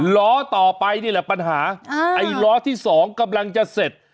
ล้อต่อไปนี่แหละปัญหาไอ้ล้อที่สองกำลังจะเสร็จ